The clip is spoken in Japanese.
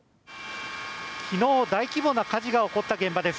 きのう、大規模な火事が起こった現場です。